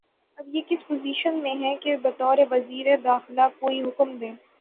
اب یہ کس پوزیشن میں ہیں کہ بطور وزیر داخلہ کوئی حکم دیں